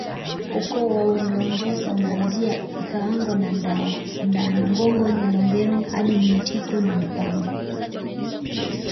Ukoo wa Unyanjoka unaanzia Ikhangao na Ndaangongo Ilongero hadi Mtinko na Mpambaa